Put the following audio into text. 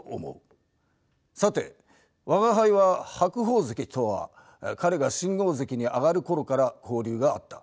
さて吾輩は白鵬関とは彼が新大関に上がる頃から交流があった。